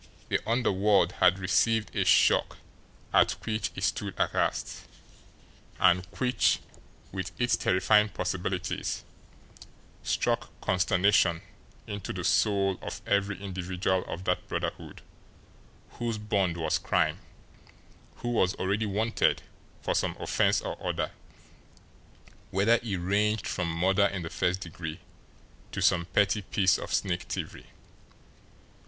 The underworld had received a shock at which it stood aghast, and which, with its terrifying possibilities, struck consternation into the soul of every individual of that brotherhood whose bond was crime, who was already "wanted" for some offence or other, whether it ranged from murder in the first degree to some petty piece of sneak thievery.